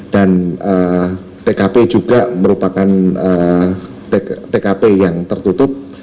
dan tkp juga merupakan tkp yang tertutup